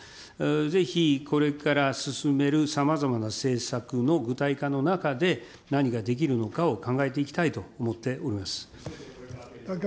ぜひこれから進めるさまざまな政策の具体化の中で何ができるのかを考えていきたいと思っております。